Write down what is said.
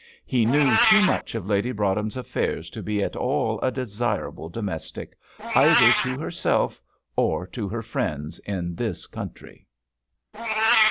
He knew too much of Lady Broadhem's affairs to be at all a desirable domestic either to herself or to her friends in this country.